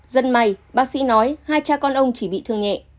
dân may bác sĩ nói hai cha con ông chỉ bị thương nhẹ